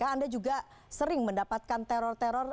anda juga sering mendapatkan teror teror